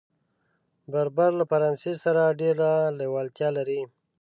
بربر له فرانسې سره ډېره لېوالتیا لري.